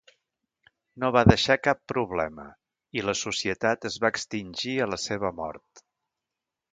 No va deixar cap problema, i la societat es va extingir a la seva mort.